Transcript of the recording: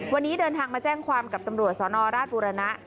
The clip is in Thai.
วันนี้เดินทางมาแจ้งความกับตำรวจสนราชบุรณะ